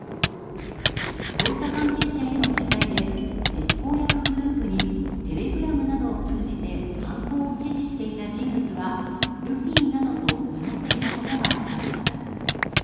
捜査関係者への取材で実行役グループにテレグラムなどを通じて犯行を指示していた人物はルフィなどと名乗っていたことが分かりました。